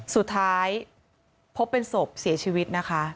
สุดท้ายพบเป็นศพเสียชีวิตนะคะ